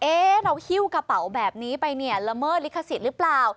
เราหิ้วกระเป๋าแบบนี้ไปเนี่ยละเมิดลิขสิทธิ์หรือเปล่า